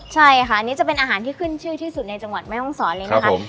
ใช่ค่ะอันนี้จะเป็นอาหารที่ขึ้นชื่อที่สุดในจังหวัดแม่ห้องศรเลยนะคะ